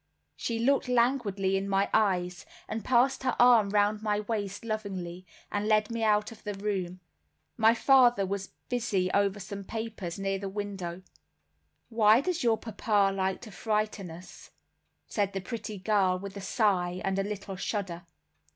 She looked languidly in my eyes, and passed her arm round my waist lovingly, and led me out of the room. My father was busy over some papers near the window. "Why does your papa like to frighten us?" said the pretty girl with a sigh and a little shudder.